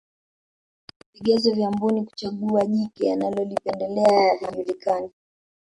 vigezo vya mbuni kuchagua jike analolipendelea havijulikani